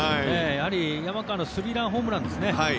やはり、山川のスリーランホームランですね。